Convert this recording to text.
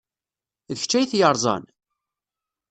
D kečč ay t-yerẓan?